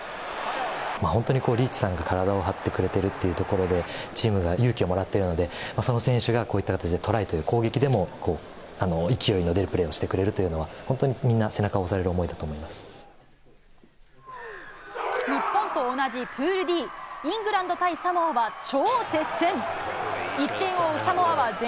本当に、リーチさんが体を張ってくれてるっていうところで、チームが勇気をもらっているので、その選手がこういった形でトライという攻撃でも、勢いの出るプレーをしてくれるっていうのは、本当にみんな、背中を押される思日本と同じプールＤ、イングランド対サモアは超接戦。